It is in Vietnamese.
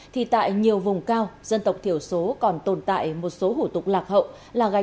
thì tại nhiều vùng cao dân tộc thiểu số còn tồn tại một số hủ tục lạc hậu là gánh